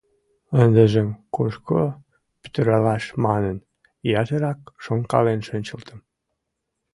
Ындыжым кушко пӱтыралаш манын, ятырак шонкален шинчылтым.